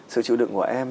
sự chịu đựng của em